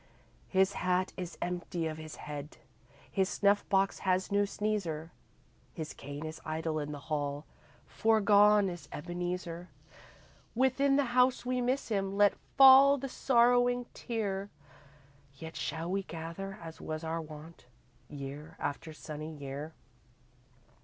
His hat is empty of his head, His snuff box has no sneezer, His cane is idle in the hall For gone is Ebeneezer. Within the house we miss him, Let fall the sorrowing tear, Yet shall we gather as was our wont Year after sunny year.